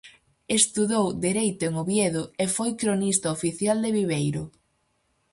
Estudou dereito en Oviedo e foi cronista oficial de Viveiro.